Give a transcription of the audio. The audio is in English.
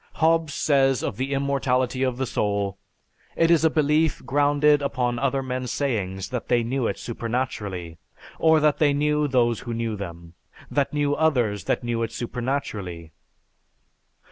Hobbes says of the immortality of the soul, "It is a belief grounded upon other men's sayings that they knew it supernaturally; or that they knew those who knew them, that knew others that knew it supernaturally."